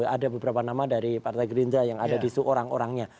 ada beberapa nama dari partai gerindra yang ada di orang orangnya